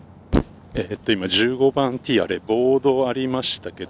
１５番ティー、ボードがありました。